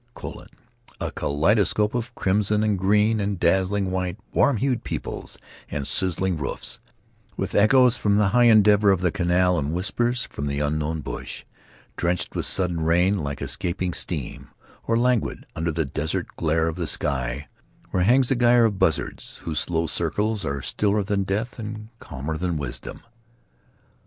Colon! A kaleidoscope of crimson and green and dazzling white, warm hued peoples and sizzling roofs, with echoes from the high endeavor of the Canal and whispers from the unknown Bush; drenched with sudden rain like escaping steam, or languid under the desert glare of the sky, where hangs a gyre of buzzards whose slow circles are stiller than death and calmer than wisdom.